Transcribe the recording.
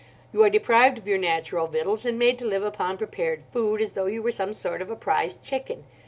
You are deprived of your natural victuals, and made to live upon prepared food, as though you were some sort of a prize chicken.